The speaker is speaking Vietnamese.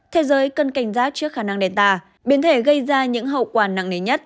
thế giới cần cảnh giác trước khả năng delta biến thể gây ra những hậu quả nặng nế nhất